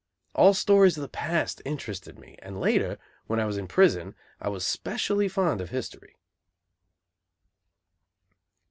All stories of the past interested me; and later, when I was in prison, I was specially fond of history.